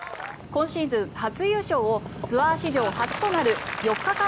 今シーズン初優勝をツアー史上初となる４日間